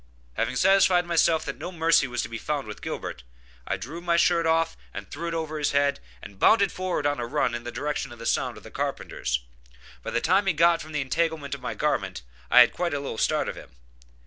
Having satisfied myself that no mercy was to be found with Gilbert, I drew my shirt off and threw it over his head, and bounded forward on a run in the direction of the sound of the carpenters. By the time he got from the entanglement of my garment, I had quite a little start of him.